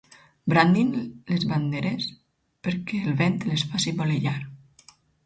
Brandin les banderes perquè el vent les faci voleiar.